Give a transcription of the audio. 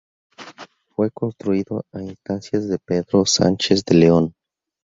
Fue construido a instancias de Pedro Sánchez de León.